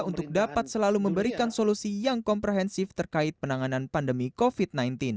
untuk dapat selalu memberikan solusi yang komprehensif terkait penanganan pandemi covid sembilan belas